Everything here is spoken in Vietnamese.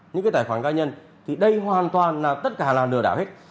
những cái tài khoản cá nhân thì đây hoàn toàn là tất cả là lừa đảo hết